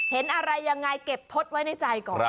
เห็นอะไรยังไงเก็บทดไว้ในใจก่อน